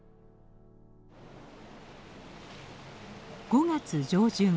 ５月上旬。